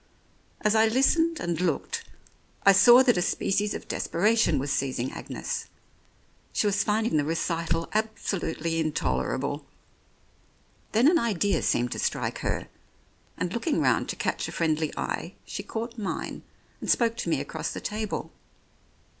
As I listened and looked, I saw that a species of desperation was seizing Agnes; she was finding the recital absolutely intolerable. Then an idea seemed to strike her, and looking round to catch a friendly eye, she caught mine, and spoke to me across the table.